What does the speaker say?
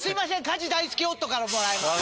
家事大好き夫からもらいます。